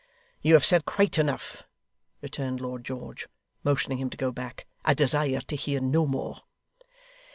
'You have said quite enough,' returned Lord George, motioning him to go back. 'I desire to hear no more.